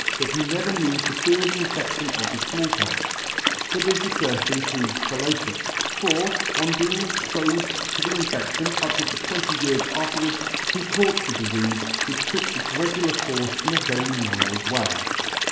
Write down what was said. E 2 that [ 28 ] that he never need to fear the infe&ion of the Small Pox ; but this affertion proved fallacious, for, on being expofed to the in fedtion upwards of twenty years afterwards, he caught the difeafe, which took its regular courfe in a very mild way.